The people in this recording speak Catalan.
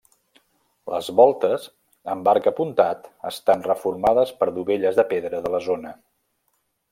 Les voltes, amb arc apuntat, estan reformades per dovelles de pedra de la zona.